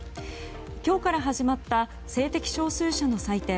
今日から始まった性的少数者の祭典